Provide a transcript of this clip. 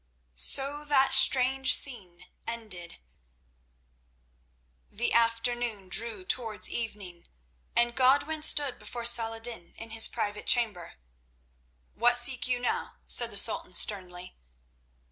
So that strange scene ended. The afternoon drew towards evening, and Godwin stood before Saladin in his private chamber. "What seek you now?" said the Sultan sternly.